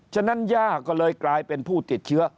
ฉะนั้นย่าก็เลยกลายเป็นผู้ติดเชื้อ